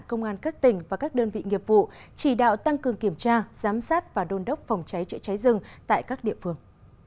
công an các tỉnh và các đơn vị nghiệp vụ chỉ đạo tăng cường kiểm tra giám sát và đôn đốc phòng cháy chữa cháy rừng tại các địa phương